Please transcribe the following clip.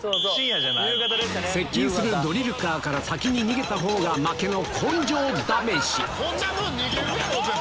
接近するドリルカーから先に逃げた方が負けの根性試しあ！